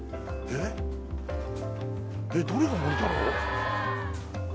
えっどれがもりたろう？